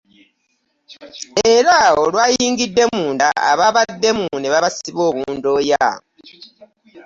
Era olwayingidde munda abaabaddemu ne babasiba obundooya